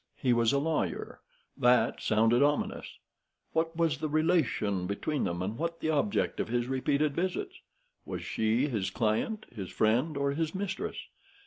He was a lawyer. That sounded ominous. What was the relation between them, and what the object of his repeated visits? Was she his client, his friend, or his mistress?